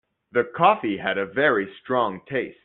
The coffee had a very strong taste.